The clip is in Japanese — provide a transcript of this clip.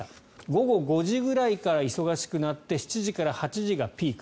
午後５時ぐらいから忙しくなって７時から８時がピーク。